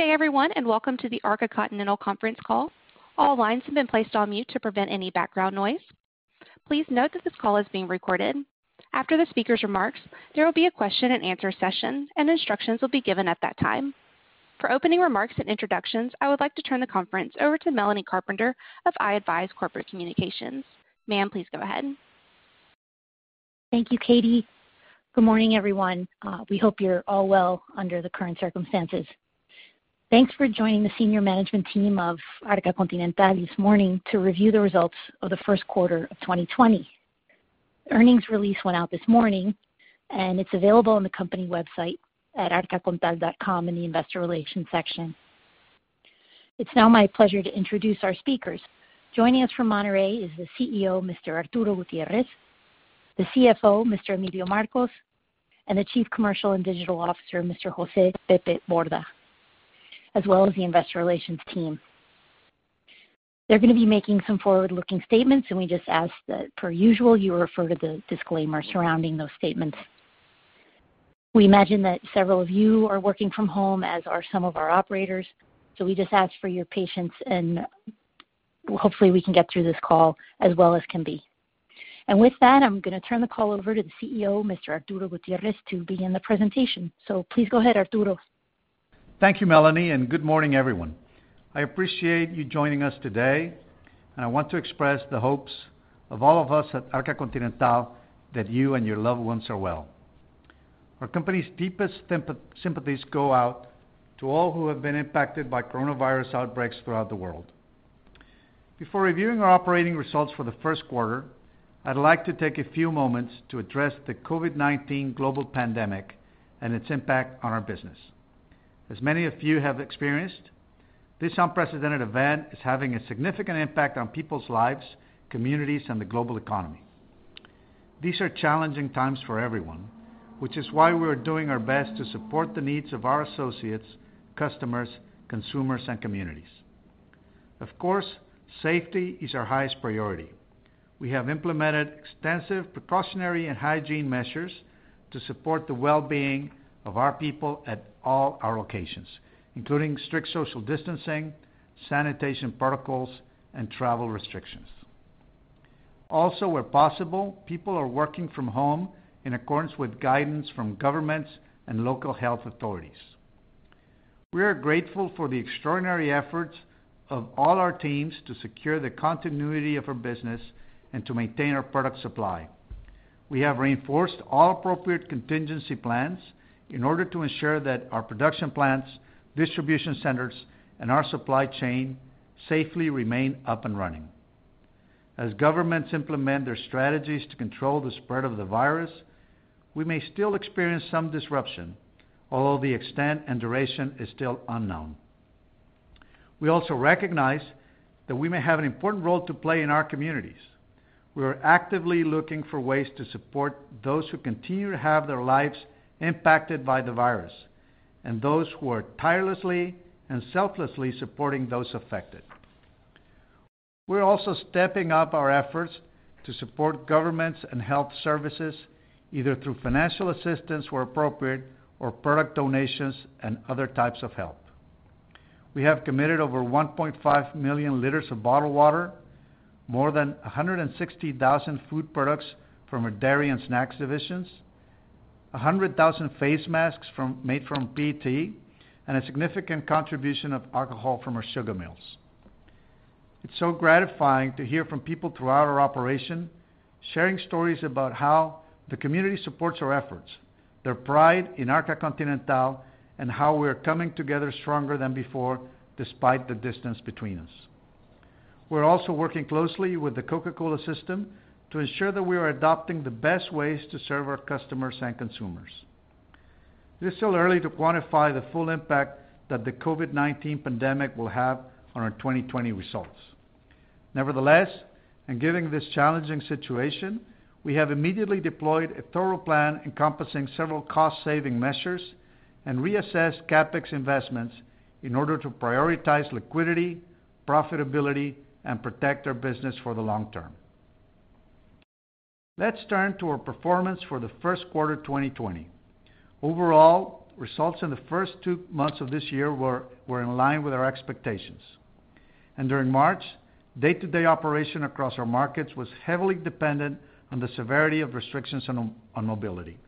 Good day everyone, welcome to the Arca Continental conference call. All lines have been placed on mute to prevent any background noise. Please note that this call is being recorded. After the speakers' remarks, there will be a question and answer session, and instructions will be given at that time. For opening remarks and introductions, I would like to turn the conference over to Melanie Carpenter of iAdvize Corporate Communications. Ma'am, please go ahead. Thank you, Katie. Good morning, everyone. We hope you're all well under the current circumstances. Thanks for joining the senior management team of Arca Continental this morning to review the results of the first quarter of 2020. Earnings release went out this morning, and it's available on the company website at arcacontinental.com in the Investor Relations section. It's now my pleasure to introduce our speakers. Joining us from Monterrey is the CEO, Mr. Arturo Gutiérrez, the CFO, Mr. Emilio Marcos, and the Chief Commercial and Digital Officer, Mr. José "Pepe" Borda, as well as the Investor Relations team. They're going to be making some forward-looking statements, and we just ask that, per usual, you refer to the disclaimer surrounding those statements. We imagine that several of you are working from home, as are some of our operators. We just ask for your patience, and hopefully we can get through this call as well as can be. With that, I'm going to turn the call over to the CEO, Mr. Arturo Gutiérrez, to begin the presentation. Please go ahead, Arturo. Thank you, Melanie, and good morning, everyone. I appreciate you joining us today, and I want to express the hopes of all of us at Arca Continental that you and your loved ones are well. Our company's deepest sympathies go out to all who have been impacted by coronavirus outbreaks throughout the world. Before reviewing our operating results for the first quarter, I'd like to take a few moments to address the COVID-19 global pandemic and its impact on our business. As many of you have experienced, this unprecedented event is having a significant impact on people's lives, communities, and the global economy. These are challenging times for everyone, which is why we are doing our best to support the needs of our associates, customers, consumers, and communities. Of course, safety is our highest priority. We have implemented extensive precautionary and hygiene measures to support the well-being of our people at all our locations, including strict social distancing, sanitation protocols, and travel restrictions. Also, where possible, people are working from home in accordance with guidance from governments and local health authorities. We are grateful for the extraordinary efforts of all our teams to secure the continuity of our business and to maintain our product supply. We have reinforced all appropriate contingency plans in order to ensure that our production plants, distribution centers, and our supply chain safely remain up and running. As governments implement their strategies to control the spread of the virus, we may still experience some disruption, although the extent and duration is still unknown. We also recognize that we may have an important role to play in our communities. We are actively looking for ways to support those who continue to have their lives impacted by the virus, and those who are tirelessly and selflessly supporting those affected. We're also stepping up our efforts to support governments and health services, either through financial assistance where appropriate, or product donations and other types of help. We have committed over 1.5 million liters of bottled water, more than 160,000 food products from our dairy and snacks divisions, 100,000 face masks made from PET, and a significant contribution of alcohol from our sugar mills. It's so gratifying to hear from people throughout our operation, sharing stories about how the community supports our efforts, their pride in Arca Continental, and how we are coming together stronger than before despite the distance between us. We're also working closely with the Coca-Cola system to ensure that we are adopting the best ways to serve our customers and consumers. It is still early to quantify the full impact that the COVID-19 pandemic will have on our 2020 results. Nevertheless, given this challenging situation, we have immediately deployed a thorough plan encompassing several cost-saving measures and reassessed CapEx investments in order to prioritize liquidity, profitability, and protect our business for the long-term. Let's turn to our performance for the first quarter 2020. Overall, results in the first two months of this year were in line with our expectations. During March, day-to-day operation across our markets was heavily dependent on the severity of restrictions on mobility.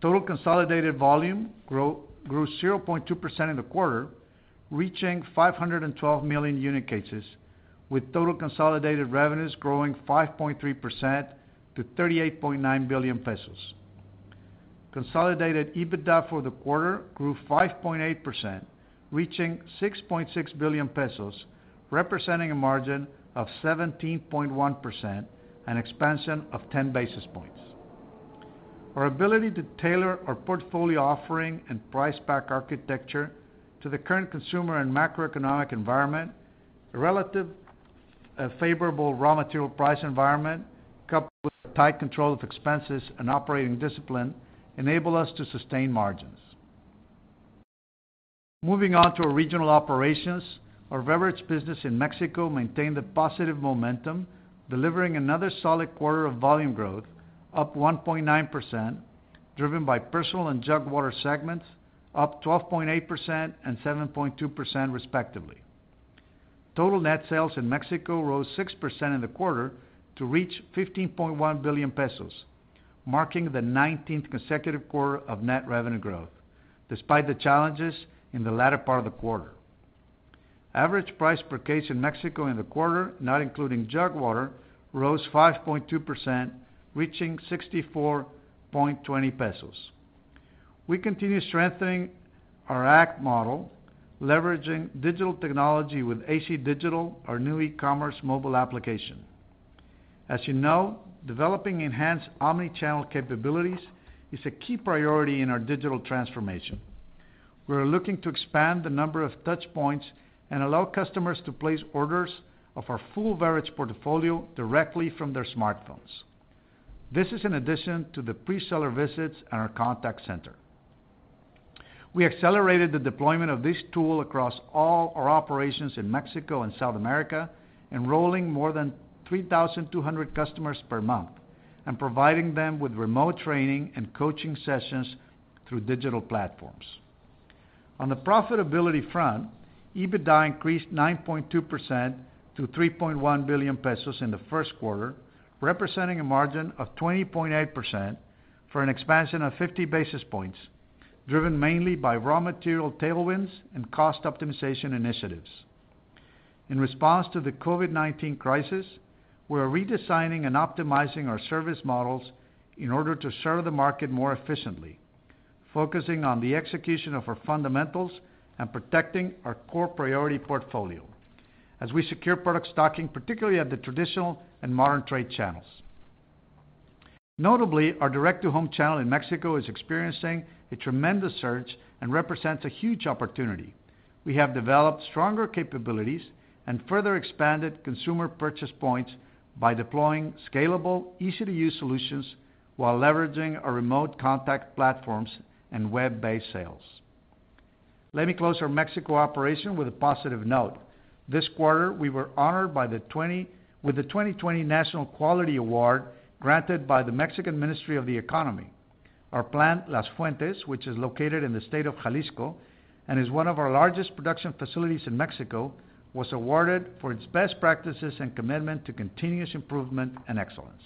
Total consolidated volume grew 0.2% in the quarter, reaching 512 million unit cases, with total consolidated revenues growing 5.3% to 38.9 billion pesos. Consolidated EBITDA for the quarter grew 5.8%, reaching 6.6 billion pesos, representing a margin of 17.1%, an expansion of 10 basis points. Our ability to tailor our portfolio offering and price pack architecture to the current consumer and macroeconomic environment, a relative favorable raw material price environment, coupled with tight control of expenses and operating discipline, enable us to sustain margins. Moving on to our regional operations. Our beverage business in Mexico maintained a positive momentum, delivering another solid quarter of volume growth, up 1.9%, driven by personal and jug water segments, up 12.8% and 7.2% respectively. Total net sales in Mexico rose 6% in the quarter to reach 15.1 billion pesos, marking the 19th consecutive quarter of net revenue growth, despite the challenges in the latter part of the quarter. Average price per case in Mexico in the quarter, not including jug water, rose 5.2%, reaching 64.20 pesos. We continue strengthening our ACT model, leveraging digital technology with AC Digital, our new e-commerce mobile application. As you know, developing enhanced omni-channel capabilities is a key priority in our digital transformation. We're looking to expand the number of touchpoints and allow customers to place orders of our full beverage portfolio directly from their smartphones. This is in addition to the pre-seller visits and our contact center. We accelerated the deployment of this tool across all our operations in Mexico and South America, enrolling more than 3,200 customers per month and providing them with remote training and coaching sessions through digital platforms. On the profitability front, EBITDA increased 9.2% to 3.1 billion pesos in the first quarter, representing a margin of 20.8% for an expansion of 50 basis points, driven mainly by raw material tailwinds and cost optimization initiatives. In response to the COVID-19 crisis, we are redesigning and optimizing our service models in order to serve the market more efficiently, focusing on the execution of our fundamentals and protecting our core priority portfolio as we secure product stocking, particularly at the traditional and modern trade channels. Notably, our direct-to-home channel in Mexico is experiencing a tremendous surge and represents a huge opportunity. We have developed stronger capabilities and further expanded consumer purchase points by deploying scalable, easy-to-use solutions while leveraging our remote contact platforms and web-based sales. Let me close our Mexico operation with a positive note. This quarter, we were honored with the 2020 National Quality Award granted by the Mexican Ministry of the Economy. Our plant, Las Fuentes, which is located in the state of Jalisco and is one of our largest production facilities in Mexico, was awarded for its best practices and commitment to continuous improvement and excellence.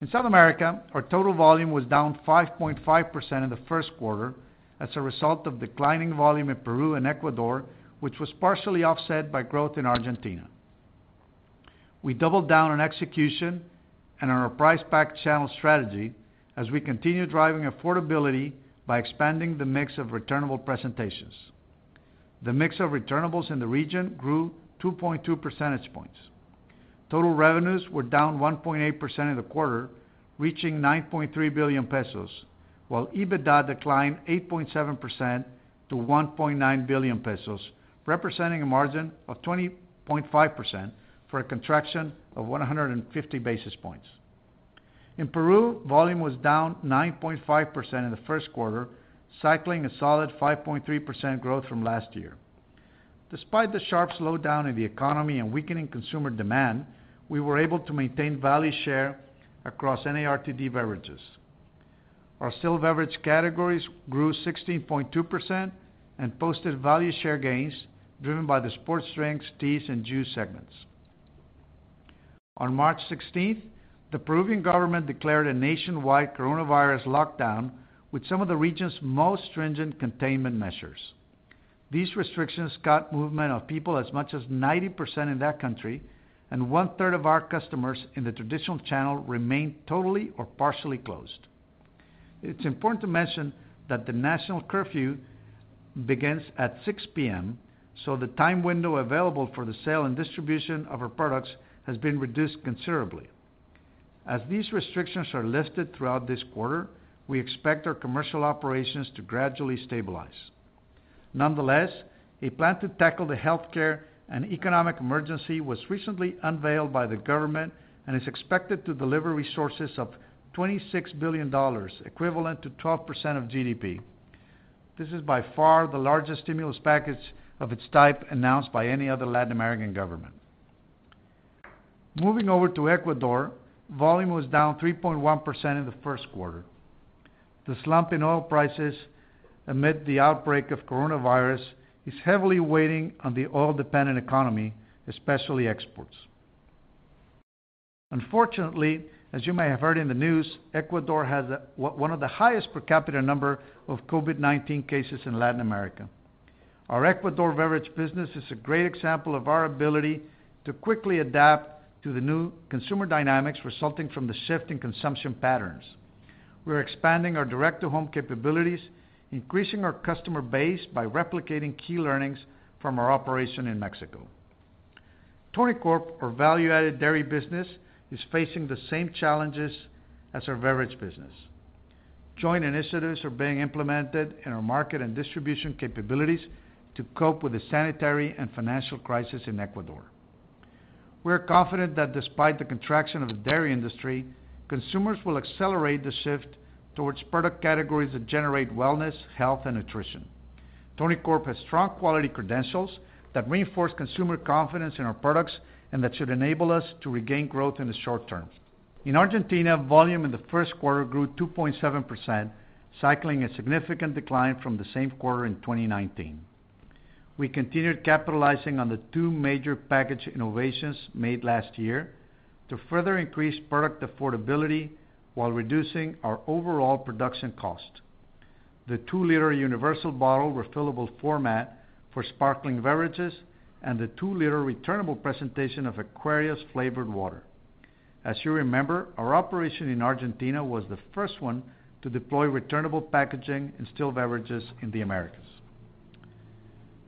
In South America, our total volume was down 5.5% in the first quarter as a result of declining volume in Peru and Ecuador, which was partially offset by growth in Argentina. We doubled down on execution and on our price-packed channel strategy as we continue driving affordability by expanding the mix of returnable presentations. The mix of returnables in the region grew 2.2 percentage points. Total revenues were down 1.8% in the quarter, reaching 9.3 billion pesos, while EBITDA declined 8.7% to 1.9 billion pesos, representing a margin of 20.5% for a contraction of 150 basis points. In Peru, volume was down 9.5% in the first quarter, cycling a solid 5.3% growth from last year. Despite the sharp slowdown in the economy and weakening consumer demand, we were able to maintain value share across NARTD beverages. Our still beverage categories grew 16.2% and posted value share gains driven by the sports drinks, teas, and juice segments. On March 16th, the Peruvian government declared a nationwide coronavirus lockdown with some of the region's most stringent containment measures. These restrictions cut movement of people as much as 90% in that country, and 1/3 of our customers in the traditional channel remain totally or partially closed. It's important to mention that the national curfew begins at 6:00 P.M., so the time window available for the sale and distribution of our products has been reduced considerably. As these restrictions are lifted throughout this quarter, we expect our commercial operations to gradually stabilize. Nonetheless, a plan to tackle the healthcare and economic emergency was recently unveiled by the government and is expected to deliver resources of $26 billion, equivalent to 12% of GDP. This is by far the largest stimulus package of its type announced by any other Latin American government. Moving over to Ecuador, volume was down 3.1% in the first quarter. The slump in oil prices amid the outbreak of coronavirus is heavily weighing on the oil-dependent economy, especially exports. Unfortunately, as you may have heard in the news, Ecuador has one of the highest per capita number of COVID-19 cases in Latin America. Our Ecuador beverage business is a great example of our ability to quickly adapt to the new consumer dynamics resulting from the shift in consumption patterns. We're expanding our direct-to-home capabilities, increasing our customer base by replicating key learnings from our operation in Mexico. Tonicorp, our value-added dairy business, is facing the same challenges as our beverage business. Joint initiatives are being implemented in our market and distribution capabilities to cope with the sanitary and financial crisis in Ecuador. We're confident that despite the contraction of the dairy industry, consumers will accelerate the shift towards product categories that generate wellness, health, and nutrition. Tonicorp has strong quality credentials that reinforce consumer confidence in our products and that should enable us to regain growth in the short-term. In Argentina, volume in the first quarter grew 2.7%, cycling a significant decline from the same quarter in 2019. We continued capitalizing on the two major package innovations made last year to further increase product affordability while reducing our overall production cost. The 2-L universal bottle refillable format for sparkling beverages and the 2-L returnable presentation of Aquarius flavored water. As you remember, our operation in Argentina was the first one to deploy returnable packaging in still beverages in the Americas.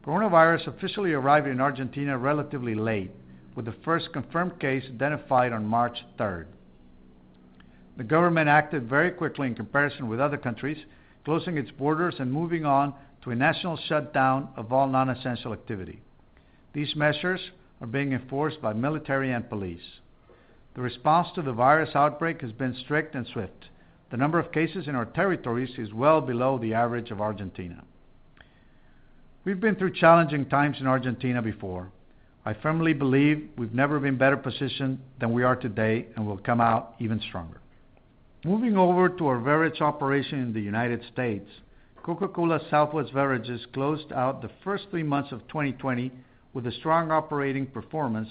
Coronavirus officially arrived in Argentina relatively late, with the first confirmed case identified on March 3rd. The government acted very quickly in comparison with other countries, closing its borders and moving on to a national shutdown of all non-essential activity. These measures are being enforced by military and police. The response to the virus outbreak has been strict and swift. The number of cases in our territories is well below the average of Argentina. We've been through challenging times in Argentina before. I firmly believe we've never been better positioned than we are today and will come out even stronger. Moving over to our beverage operation in the United States, Coca-Cola Southwest Beverages closed out the first three months of 2020 with a strong operating performance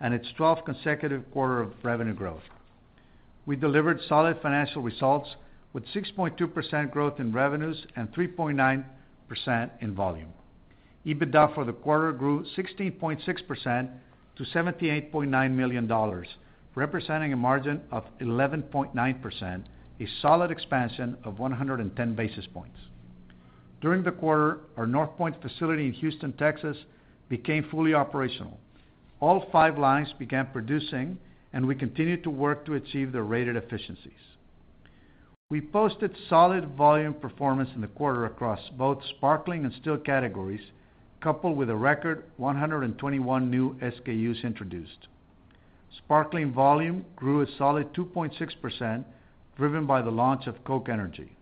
and its 12th consecutive quarter of revenue growth. We delivered solid financial results with 6.2% growth in revenues and 3.9% in volume. EBITDA for the quarter grew 16.6% to $78.9 million, representing a margin of 11.9%, a solid expansion of 110 basis points. During the quarter, our Northpoint facility in Houston, Texas, became fully operational. All five lines began producing, and we continued to work to achieve their rated efficiencies. We posted solid volume performance in the quarter across both sparkling and still categories, coupled with a record 121 new SKUs introduced. Sparkling volume grew a solid 2.6%, driven by the launch of Coca-Cola Energy.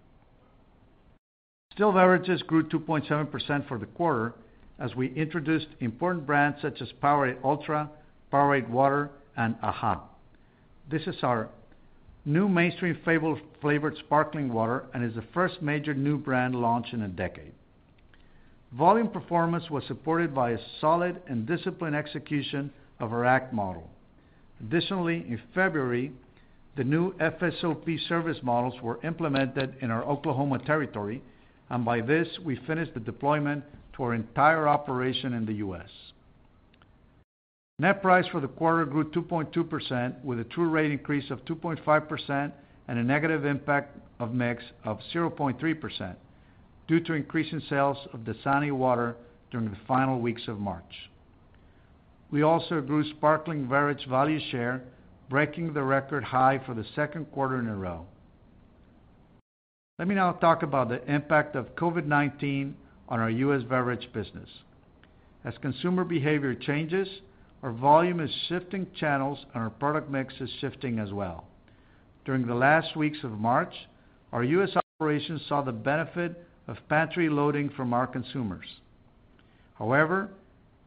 Still beverages grew 2.7% for the quarter as we introduced important brands such as Powerade Ultra, Powerade Power Water, and AHA. This is our new mainstream flavored sparkling water and is the first major new brand launch in a decade. Volume performance was supported by a solid and disciplined execution of our ACT model. Additionally, in February, the new FSOP service models were implemented in our Oklahoma territory, and by this, we finished the deployment to our entire operation in the U.S. Net price for the quarter grew 2.2% with a true rate increase of 2.5% and a negative impact of mix of 0.3% due to increasing sales of Dasani water during the final weeks of March. We also grew sparkling beverage value share, breaking the record high for the second quarter in a row. Let me now talk about the impact of COVID-19 on our U.S. beverage business. As consumer behavior changes, our volume is shifting channels and our product mix is shifting as well. During the last weeks of March, our U.S. operations saw the benefit of pantry loading from our consumers.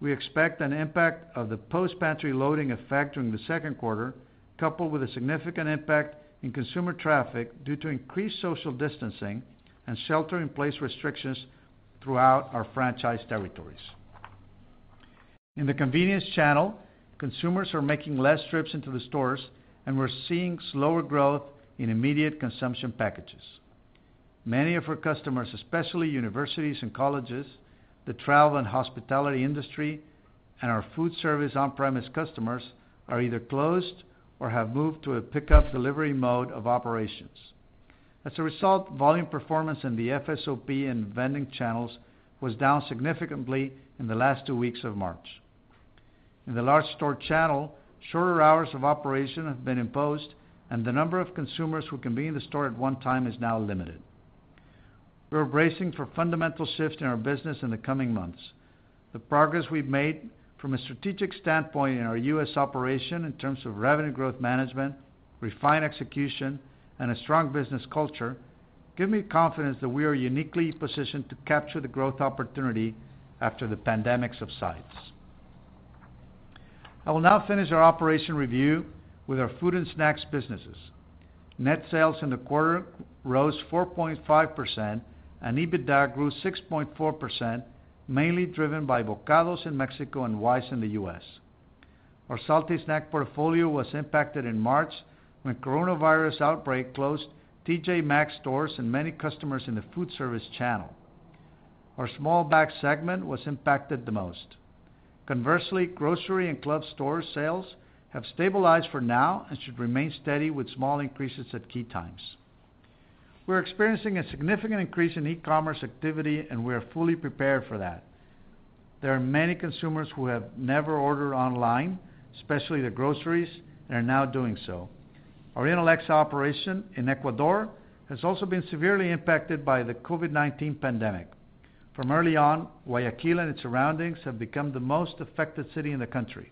We expect an impact of the post-pantry loading effect during the second quarter, coupled with a significant impact in consumer traffic due to increased social distancing and shelter-in-place restrictions throughout our franchise territories. In the convenience channel, consumers are making less trips into the stores and we're seeing slower growth in immediate consumption packages. Many of our customers, especially universities and colleges, the travel and hospitality industry, and our food service on-premise customers, are either closed or have moved to a pickup delivery mode of operations. Volume performance in the FSOP and vending channels was down significantly in the last two weeks of March. In the large store channel, shorter hours of operation have been imposed, and the number of consumers who can be in the store at one time is now limited. We're bracing for fundamental shifts in our business in the coming months. The progress we've made from a strategic standpoint in our U.S. operation in terms of revenue growth management, refined execution, and a strong business culture give me confidence that we are uniquely positioned to capture the growth opportunity after the pandemic subsides. I will now finish our operation review with our food and snacks businesses. Net sales in the quarter rose 4.5% and EBITDA grew 6.4%, mainly driven by Bokados in Mexico and Wise in the U.S. Our salty snack portfolio was impacted in March when coronavirus outbreak closed TJ Maxx stores and many customers in the food service channel. Our small bag segment was impacted the most. Conversely, grocery and club store sales have stabilized for now and should remain steady with small increases at key times. We're experiencing a significant increase in e-commerce activity, and we are fully prepared for that. There are many consumers who have never ordered online, especially the groceries, and are now doing so. Our Inalecsa operation in Ecuador has also been severely impacted by the COVID-19 pandemic. From early on, Guayaquil and its surroundings have become the most affected city in the country.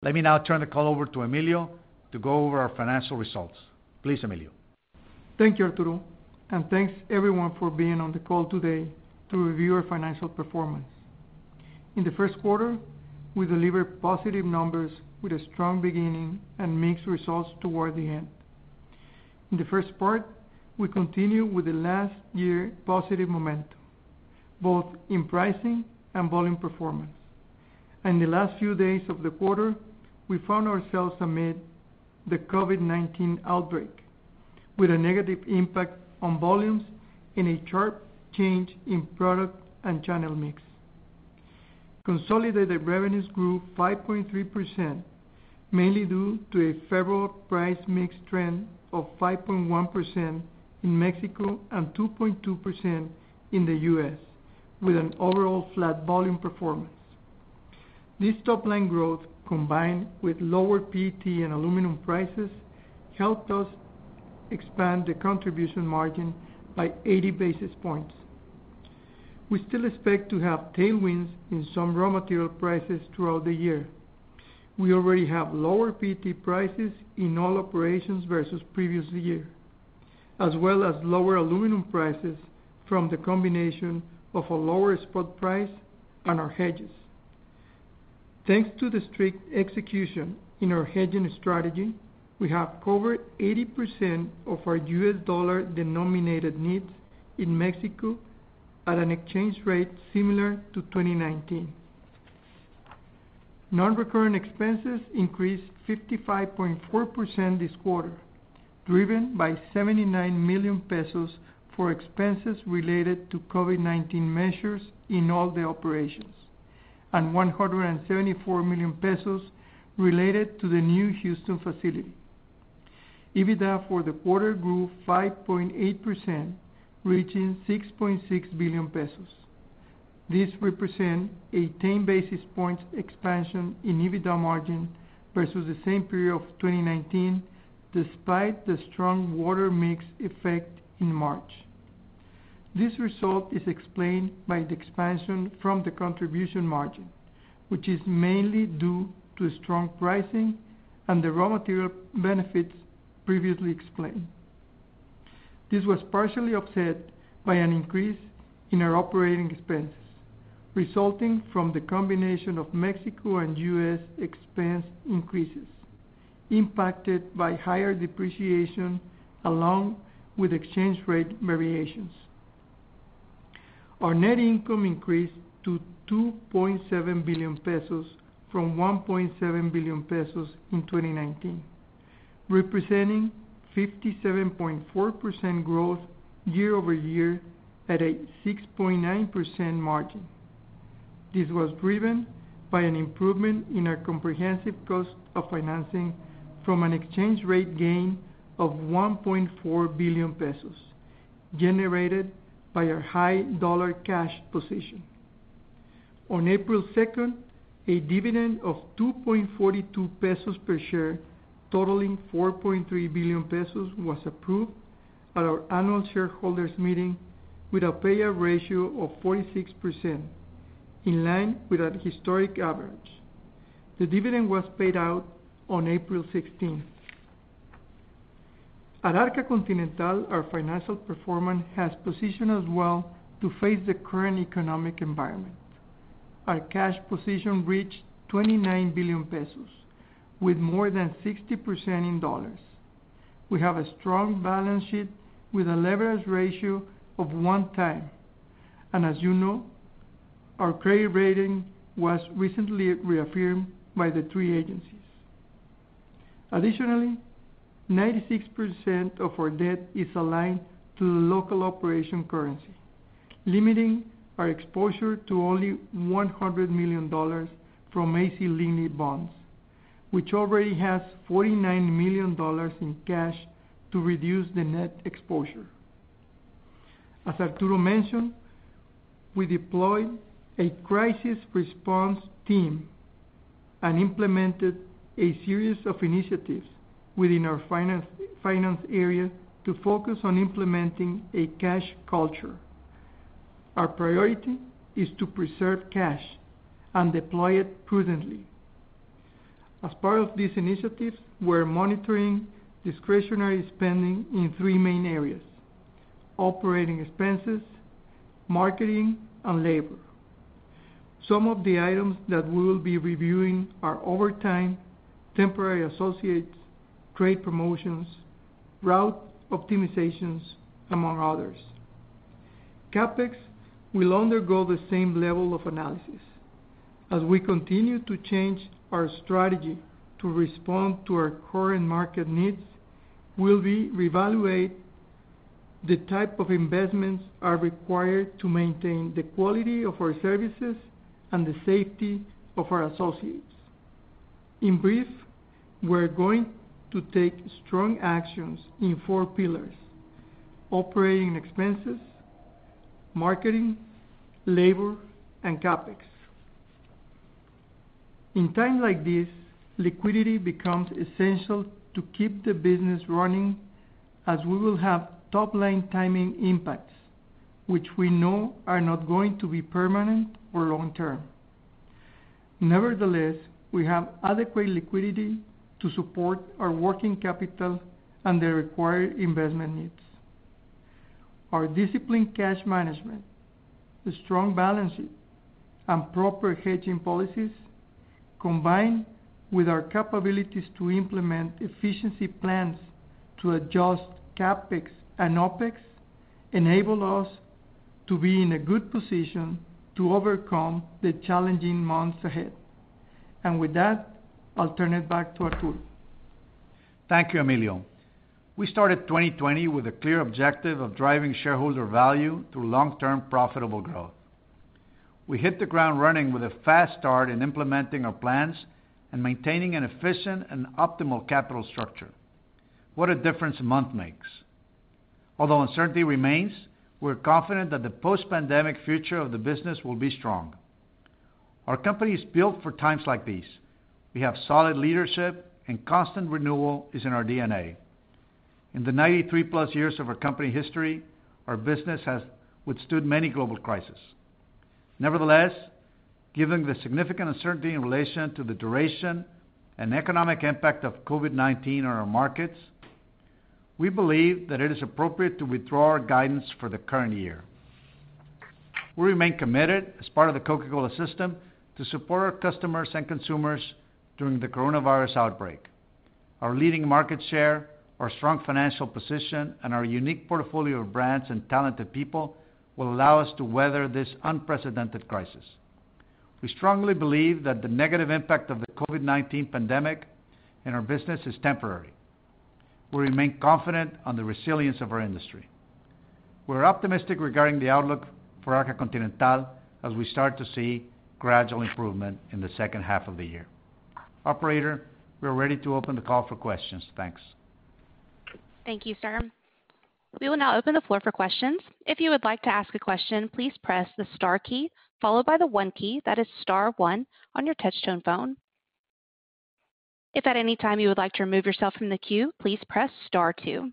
Let me now turn the call over to Emilio to go over our financial results. Please, Emilio. Thank you, Arturo, and thanks everyone for being on the call today to review our financial performance. In the first quarter, we delivered positive numbers with a strong beginning and mixed results toward the end. In the first part, we continue with the last year positive momentum, both in pricing and volume performance. In the last few days of the quarter, we found ourselves amid the COVID-19 outbreak with a negative impact on volumes and a sharp change in product and channel mix. Consolidated revenues grew 5.3%, mainly due to a favorable price mix trend of 5.1% in Mexico and 2.2% in the U.S., with an overall flat volume performance. This top-line growth, combined with lower PET and aluminum prices, helped us expand the contribution margin by 80 basis points. We still expect to have tailwinds in some raw material prices throughout the year. We already have lower PET prices in all operations versus the previous year, as well as lower aluminum prices from the combination of a lower spot price and our hedges. Thanks to the strict execution in our hedging strategy, we have covered 80% of our US dollar-denominated needs in Mexico at an exchange rate similar to 2019. Non-recurring expenses increased 55.4% this quarter, driven by 79 million pesos for expenses related to COVID-19 measures in all the operations and 174 million pesos related to the new Houston facility. EBITDA for the quarter grew 5.8%, reaching 6.6 billion pesos. This represents a 10 basis points expansion in EBITDA margin versus the same period of 2019, despite the strong water mix effect in March. This result is explained by the expansion from the contribution margin, which is mainly due to strong pricing and the raw material benefits previously explained. This was partially offset by an increase in our operating expenses resulting from the combination of Mexico and U.S. expense increases impacted by higher depreciation along with exchange rate variations. Our net income increased to 2.7 billion pesos from 1.7 billion pesos in 2019, representing 57.4% growth year-over-year at a 6.9% margin. This was driven by an improvement in our comprehensive cost of financing from an exchange rate gain of 1.4 billion pesos generated by our high dollar cash position. On April 2nd, a dividend of 2.42 pesos per share, totaling 4.3 billion pesos, was approved at our annual shareholders meeting with a payout ratio of 46%, in line with our historic average. The dividend was paid out on April 16th. At Arca Continental, our financial performance has positioned us well to face the current economic environment. Our cash position reached 29 billion pesos with more than 60% in U.S. dollars. We have a strong balance sheet with a leverage ratio of 1x, as you know, our credit rating was recently reaffirmed by the three agencies. 96% of our debt is aligned to the local operation currency, limiting our exposure to only $100 million from AC Lindley bonds, which already has $49 million in cash to reduce the net exposure. As Arturo mentioned, we deployed a crisis response team and implemented a series of initiatives within our finance area to focus on implementing a cash culture. Our priority is to preserve cash and deploy it prudently. As part of these initiatives, we're monitoring discretionary spending in three main areas: operating expenses, marketing, and labor. Some of the items that we will be reviewing are overtime, temporary associates, trade promotions, route optimizations, among others. CapEx will undergo the same level of analysis. As we continue to change our strategy to respond to our current market needs, we'll reevaluate the type of investments are required to maintain the quality of our services and the safety of our associates. In brief, we're going to take strong actions in four pillars, operating expenses, marketing, labor, and CapEx. In times like this, liquidity becomes essential to keep the business running as we will have top-line timing impacts, which we know are not going to be permanent or long-term. Nevertheless, we have adequate liquidity to support our working capital and the required investment needs. Our disciplined cash management, the strong balance sheet, and proper hedging policies, combined with our capabilities to implement efficiency plans to adjust CapEx and OpEx, enable us to be in a good position to overcome the challenging months ahead. With that, I'll turn it back to Arturo. Thank you, Emilio. We started 2020 with a clear objective of driving shareholder value through long-term profitable growth. We hit the ground running with a fast start in implementing our plans and maintaining an efficient and optimal capital structure. What a difference a month makes. Although uncertainty remains, we're confident that the post-pandemic future of the business will be strong. Our company is built for times like these. We have solid leadership, and constant renewal is in our DNA. In the 93+ years of our company history, our business has withstood many global crises. Nevertheless, given the significant uncertainty in relation to the duration and economic impact of COVID-19 on our markets, we believe that it is appropriate to withdraw our guidance for the current year. We remain committed as part of the Coca-Cola system to support our customers and consumers during the coronavirus outbreak. Our leading market share, our strong financial position, and our unique portfolio of brands and talented people will allow us to weather this unprecedented crisis. We strongly believe that the negative impact of the COVID-19 pandemic in our business is temporary. We remain confident on the resilience of our industry. We're optimistic regarding the outlook for Arca Continental as we start to see gradual improvement in the second half of the year. Operator, we're ready to open the call for questions. Thanks. Thank you, sir. We will now open the floor for questions. If you would like to ask a question, please press the star key followed by the one key, that is star one, on your touch-tone phone. If at any time you would like to remove yourself from the queue, please press star two.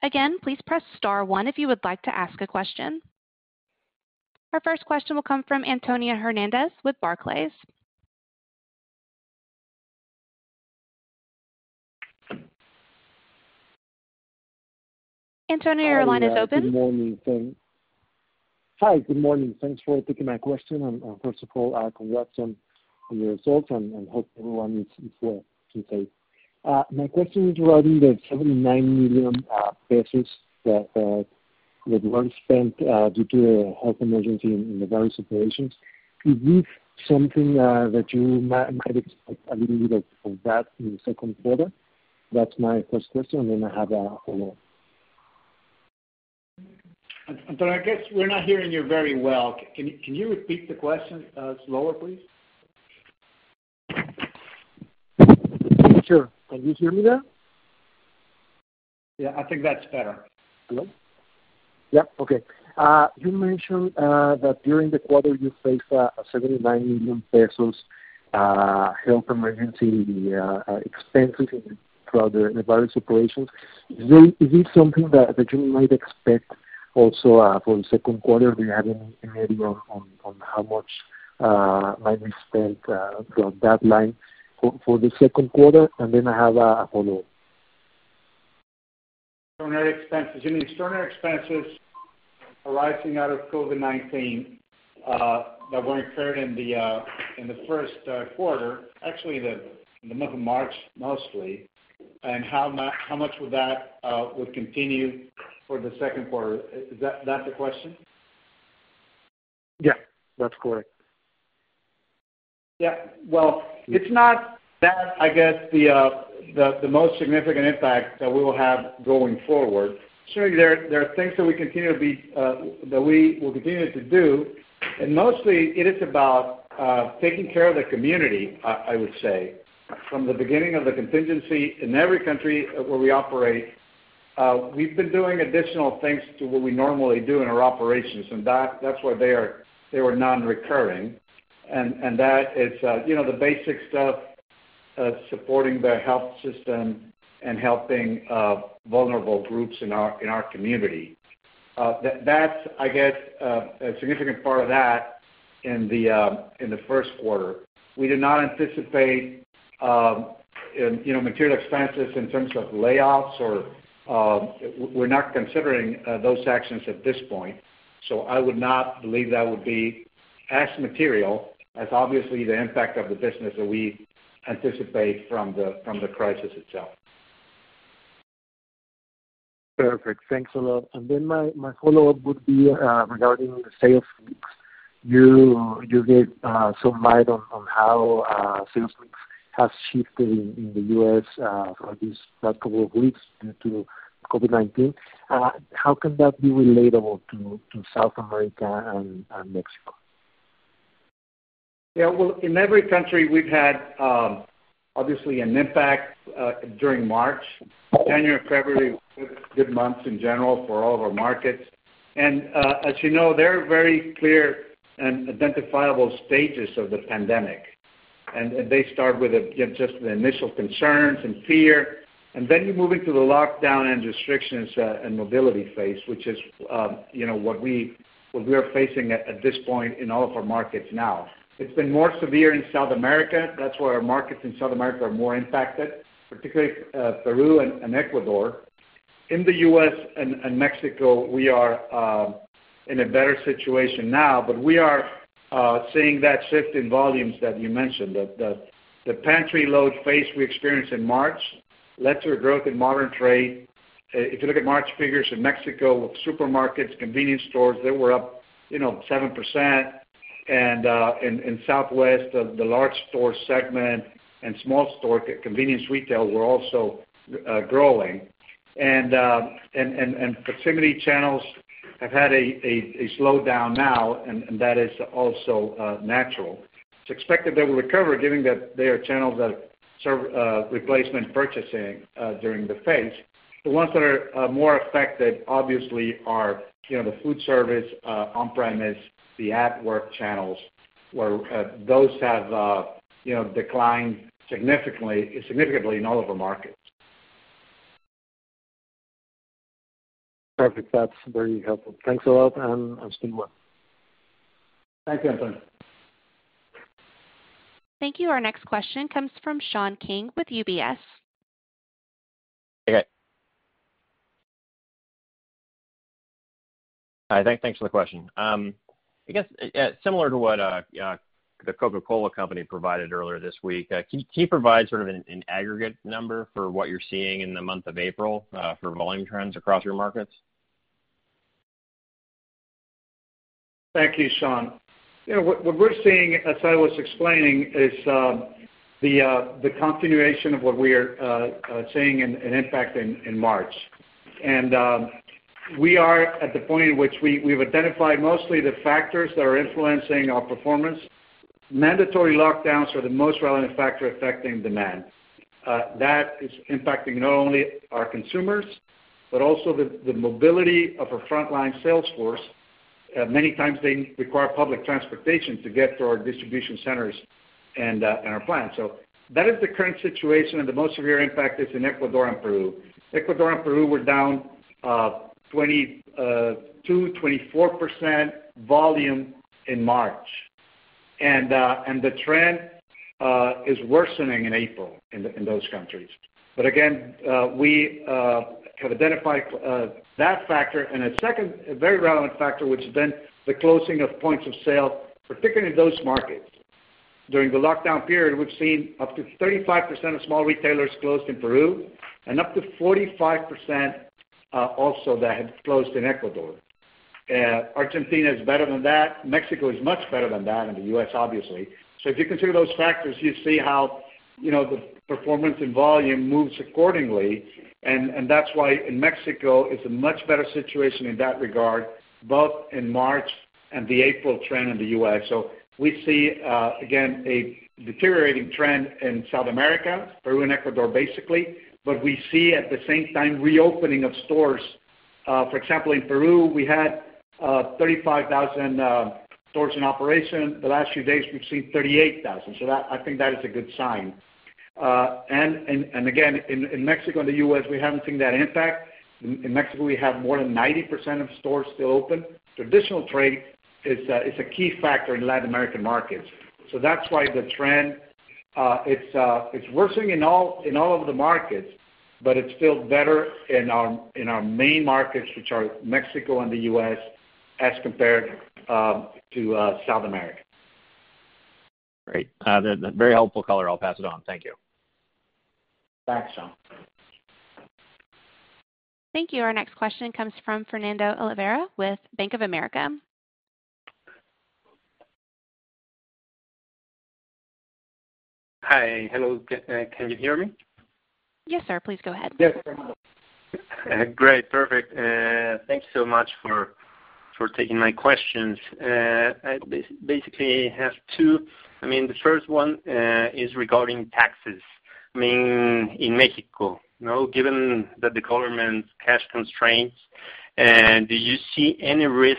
Again, please press star one if you would like to ask a question. Our first question will come from Antonio Hernández with Barclays. Antonio, your line is open. Hi, good morning. Thanks for taking my question. First of all, congrats on the results and hope everyone is well. My question is regarding the 79 million pesos that were spent due to the health emergency in the various operations. Is this something that you might expect a little bit of that in the second quarter? That's my first question. Then I have a follow-up. Antonio, I guess we're not hearing you very well. Can you repeat the question slower, please? Sure. Can you hear me now? Yeah, I think that's better. Hello? Yeah, okay. You mentioned that during the quarter you faced a 79 million pesos health emergency expenses throughout the various operations. Is this something that you might expect also for the second quarter? Do you have any idea on how much might be spent from that line for the second quarter? I have a follow-up. Extraordinary expenses? Any extraordinary expenses arising out of COVID-19 that were incurred in the first quarter, actually in the month of March mostly, and how much would continue for the second quarter? Is that the question? Yeah, that's correct. Yeah. Well, it's not that, I guess, the most significant impact that we will have going forward. Surely there are things that we will continue to do, and mostly it is about taking care of the community, I would say. From the beginning of the contingency in every country where we operate, we've been doing additional things to what we normally do in our operations, and that's why they were non-recurring. That is the basic stuff, supporting the health system and helping vulnerable groups in our community, I guess a significant part of that in the first quarter. We do not anticipate material expenses in terms of layoffs. We're not considering those actions at this point, so I would not believe that would be as material as obviously the impact of the business that we anticipate from the crisis itself. Perfect. Thanks a lot. Then my follow-up would be regarding the sales mix. You gave some light on how sales mix has shifted in the U.S. for these past couple of weeks due to COVID-19. How can that be relatable to South America and Mexico? Yeah. Well, in every country we've had obviously an impact during March. January and February were good months in general for all of our markets. As you know, there are very clear and identifiable stages of the pandemic. They start with just the initial concerns and fear. Then you move into the lockdown and restrictions and mobility phase, which is what we are facing at this point in all of our markets now. It's been more severe in South America. That's why our markets in South America are more impacted, particularly Peru and Ecuador. In the U.S. and Mexico, we are in a better situation now, but we are seeing that shift in volumes that you mentioned, that the pantry load phase we experienced in March led to a growth in modern trade. If you look at March figures in Mexico with supermarkets, convenience stores, they were up 7%. In Southwest, the large store segment and small store convenience retail were also growing. Proximity channels have had a slowdown now, and that is also natural. It's expected they will recover given that they are channels that serve replacement purchasing during the phase. The ones that are more affected, obviously, are the food service, on-premise, the at-work channels, where those have declined significantly in all of our markets. Perfect. That's very helpful. Thanks a lot, and I'll stay in line. Thanks, Antonio. Thank you. Our next question comes from Sean King with UBS. Okay. Hi, thanks for the question. I guess, similar to what The Coca-Cola Company provided earlier this week, can you provide sort of an aggregate number for what you're seeing in the month of April for volume trends across your markets? Thank you, Sean. What we're seeing, as I was explaining, is the continuation of what we are seeing in impact in March. We are at the point in which we've identified mostly the factors that are influencing our performance. Mandatory lockdowns are the most relevant factor affecting demand. That is impacting not only our consumers, but also the mobility of our frontline sales force. Many times they require public transportation to get to our distribution centers and our plants. That is the current situation, and the most severe impact is in Ecuador and Peru. Ecuador and Peru were down 22%, 24% volume in March. The trend is worsening in April in those countries. Again, we have identified that factor and a second very relevant factor, which has been the closing of points of sale, particularly in those markets. During the lockdown period, we've seen up to 35% of small retailers closed in Peru and up to 45% also that have closed in Ecuador. Argentina is better than that. Mexico is much better than that, and the U.S., obviously. If you consider those factors, you see how the performance in volume moves accordingly, and that's why in Mexico, it's a much better situation in that regard, both in March and the April trend in the U.S. We see, again, a deteriorating trend in South America, Peru and Ecuador, basically. We see, at the same time, reopening of stores. For example, in Peru, we had 35,000 stores in operation. The last few days, we've seen 38,000. That, I think that is a good sign. Again, in Mexico and the U.S., we haven't seen that impact. In Mexico, we have more than 90% of stores still open. Traditional trade is a key factor in Latin American markets. That's why the trend, it's worsening in all of the markets, but it's still better in our main markets, which are Mexico and the U.S. as compared to South America. Great. Very helpful color. I'll pass it on. Thank you. Thanks, Sean. Thank you. Our next question comes from Fernando Olvera with Bank of America. Hi. Hello. Can you hear me? Yes, sir. Please go ahead. Yes. Great. Perfect. Thanks so much for taking my questions. I basically have two. The first one is regarding taxes, in Mexico. Given that the government cash constraints, do you see any risk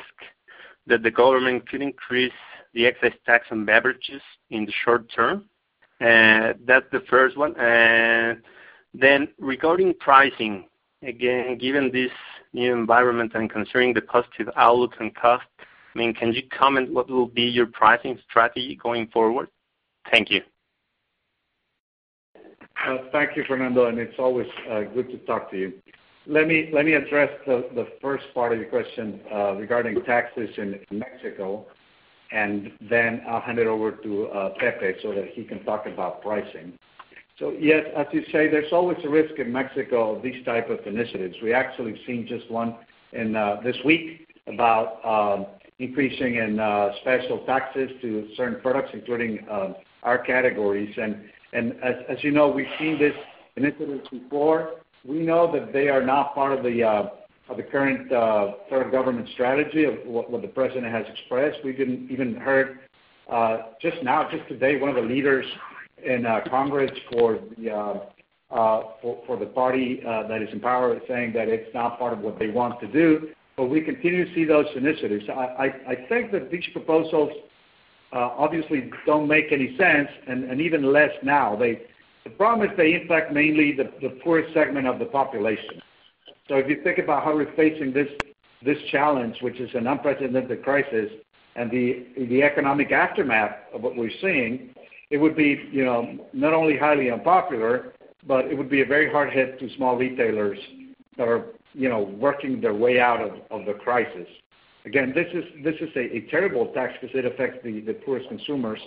that the government could increase the excess tax on beverages in the short-term? That's the first one. Regarding pricing, again, given this new environment and considering the positive outlook and cost, can you comment what will be your pricing strategy going forward? Thank you. Thank you, Fernando. It's always good to talk to you. Let me address the first part of your question regarding taxes in Mexico, and then I'll hand it over to Pepe so that he can talk about pricing. Yes, as you say, there's always a risk in Mexico of these type of initiatives. We actually have seen just one this week about increasing in special taxes to certain products, including our categories. As you know, we've seen these initiatives before. We know that they are not part of the current government strategy of what the president has expressed. We even heard just now, just today, one of the leaders in Congress for the party that is in power saying that it's not part of what they want to do, but we continue to see those initiatives. I think that these proposals obviously don't make any sense, and even less now. The problem is they impact mainly the poorest segment of the population. If you think about how we're facing this challenge, which is an unprecedented crisis, and the economic aftermath of what we're seeing, it would be not only highly unpopular, but it would be a very hard hit to small retailers that are working their way out of the crisis. Again, this is a terrible tax because it affects the poorest consumers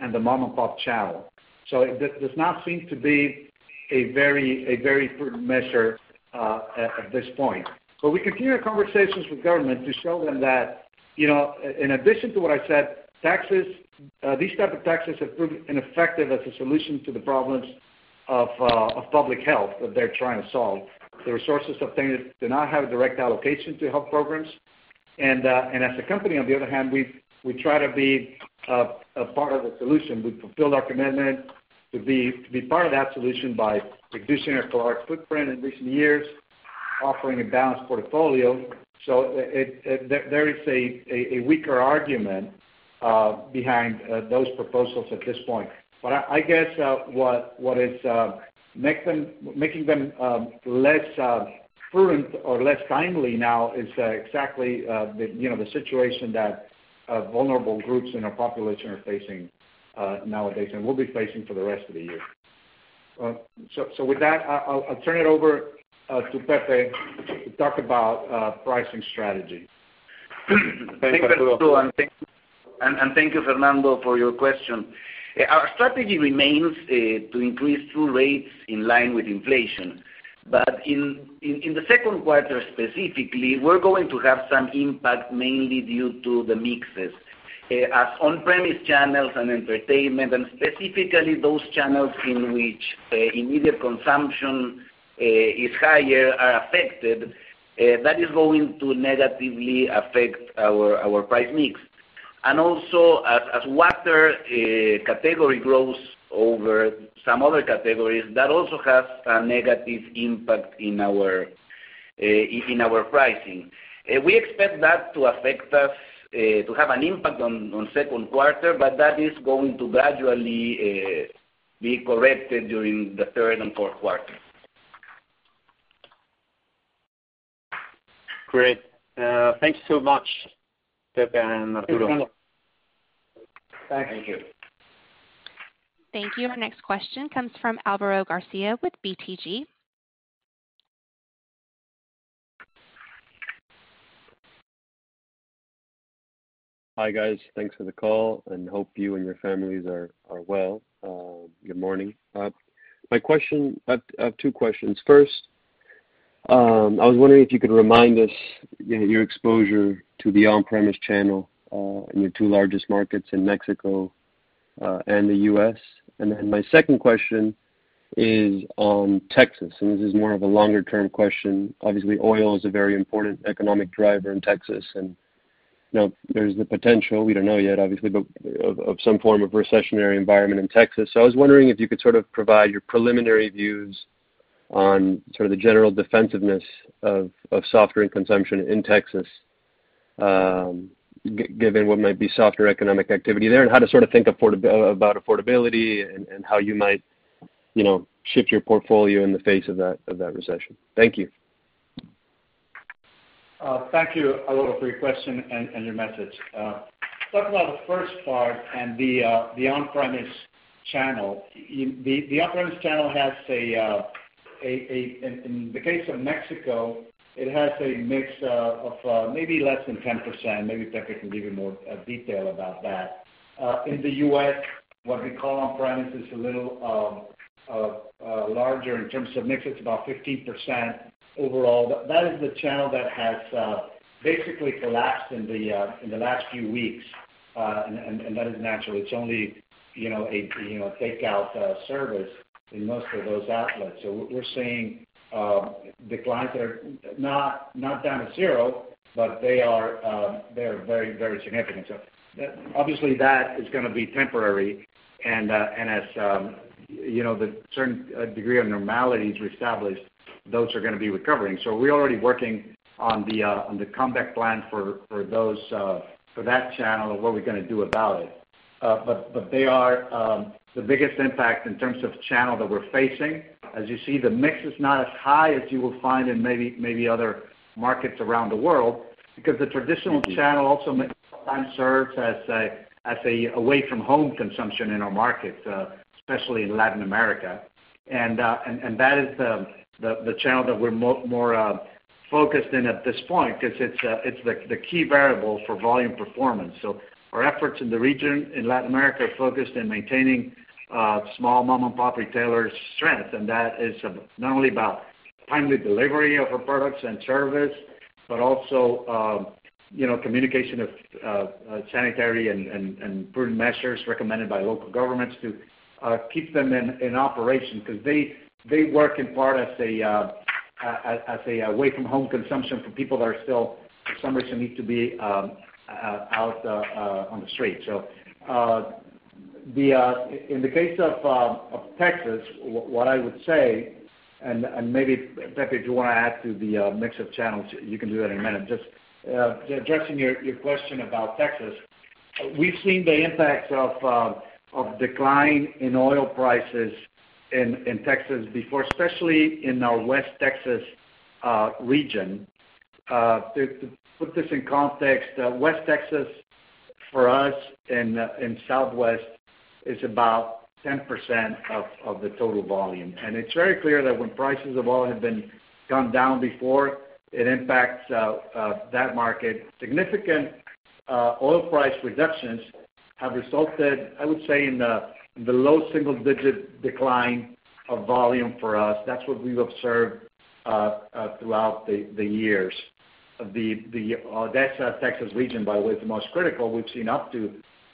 and the mom-and-pop channel. It does not seem to be a very prudent measure at this point. We continue our conversations with government to show them that, in addition to what I said, these type of taxes have proven ineffective as a solution to the problems of public health that they're trying to solve. The resources obtained do not have a direct allocation to health programs, and as a company, on the other hand, we try to be a part of the solution. We've fulfilled our commitment to be part of that solution by reducing our footprint in recent years, offering a balanced portfolio. There is a weaker argument behind those proposals at this point. I guess what is making them less prudent or less timely now is exactly the situation that vulnerable groups in our population are facing nowadays and will be facing for the rest of the year. With that, I'll turn it over to Pepe to talk about pricing strategy. Thanks, Arturo, and thank you Fernando, for your question. Our strategy remains to increase through rates in line with inflation. In the second quarter specifically, we're going to have some impact, mainly due to the mixes. As on-premise channels and entertainment, and specifically those channels in which immediate consumption is higher, are affected, that is going to negatively affect our price mix. Also, as water category grows over some other categories, that also has a negative impact in our pricing. We expect that to have an impact on second quarter, but that is going to gradually be corrected during the third and fourth quarters. Great. Thanks so much, Pepe and Arturo. Thank you. Thank you. Thank you. Our next question comes from Alvaro Garcia with BTG Pactual. Hi, guys. Thanks for the call, and hope you and your families are well. Good morning. I have two questions. First, I was wondering if you could remind us your exposure to the on-premise channel in your two largest markets in Mexico and the U.S. My second question is on Texas, and this is more of a longer-term question. Obviously, oil is a very important economic driver in Texas, and there's the potential, we don't know yet, obviously, but of some form of recessionary environment in Texas. I was wondering if you could provide your preliminary views on the general defensiveness of softer consumption in Texas, given what might be softer economic activity there, and how to think about affordability and how you might shift your portfolio in the face of that recession. Thank you. Thank you, Alvaro, for your question and your message. Talk about the first part and the on-premise channel. The on-premise channel, in the case of Mexico, it has a mix of maybe less than 10%. Maybe Pepe can give you more detail about that. In the U.S., what we call on-premise is a little larger in terms of mix. It's about 15% overall. That is the channel that has basically collapsed in the last few weeks, and that is natural. It's only a takeout service in most of those outlets. We're seeing declines are not down to zero, but they are very significant. Obviously, that is going to be temporary and as the certain degree of normality is reestablished, those are going to be recovering. We're already working on the comeback plan for that channel and what we're going to do about it. They are the biggest impact in terms of channel that we're facing. As you see, the mix is not as high as you will find in maybe other markets around the world, because the traditional channel also sometimes serves as a away-from-home consumption in our markets, especially in Latin America. That is the channel that we're more focused in at this point, because it's the key variable for volume performance. Our efforts in the region, in Latin America, are focused in maintaining small mom-and-pop retailers' strength, and that is not only about timely delivery of our products and service, but also communication of sanitary and prudent measures recommended by local governments to keep them in operation, because they work in part as a away-from-home consumption for people that still, for some reason, need to be out on the street. In the case of Texas, what I would say, and maybe, Pepe, if you want to add to the mix of channels, you can do that in a minute. Just addressing your question about Texas. We've seen the impact of decline in oil prices in Texas before, especially in our West Texas region. To put this in context, West Texas for us in Southwest is about 10% of the total volume. It's very clear that when prices of oil have gone down before, it impacts that market. Significant oil price reductions have resulted, I would say, in the low single-digit decline of volume for us. That's what we've observed throughout the years. The Texas region, by the way, is the most critical. We've seen up to,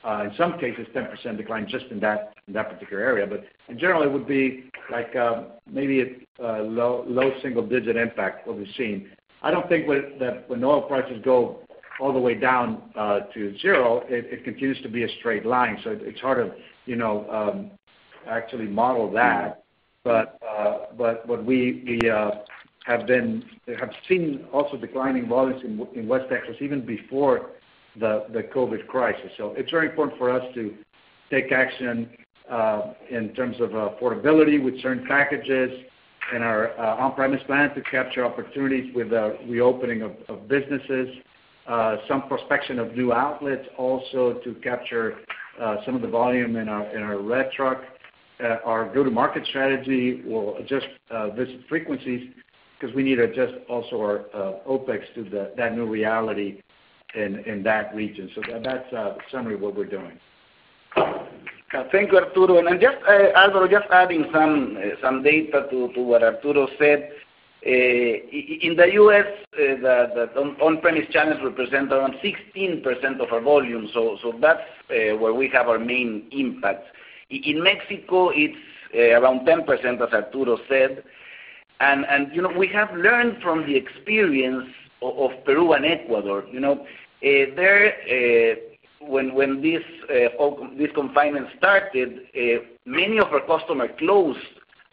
in some cases, 10% decline just in that particular area. In general, it would be maybe a low single-digit impact what we've seen. I don't think that when oil prices go all the way down to zero, it continues to be a straight line. It's hard to actually model that. We have seen also declining volumes in West Texas even before the COVID-19 crisis. It's very important for us to take action in terms of affordability with certain packages in our on-premise plan to capture opportunities with the reopening of businesses. Some prospection of new outlets also to capture some of the volume in our red truck. Our go-to-market strategy will adjust visit frequencies because we need to adjust also our OpEx to that new reality in that region. That's a summary of what we're doing. Thank you, Arturo. Alvaro, just adding some data to what Arturo said. In the U.S., the on-premise channels represent around 16% of our volume. That's where we have our main impact. In Mexico, it's around 10%, as Arturo said. We have learned from the experience of Peru and Ecuador. There, when this confinement started, many of our customers closed,